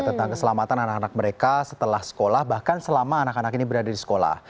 tentang keselamatan anak anak mereka setelah sekolah bahkan selama anak anak ini berada di sekolah